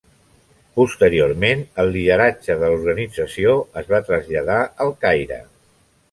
Posteriorment el lideratge de l'organització es va traslladar al Caire.